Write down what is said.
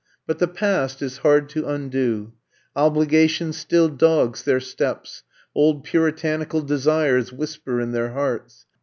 But the past is hard to undo ; obligation still dogs their steps, old puri tanical desires whisper in their hearts.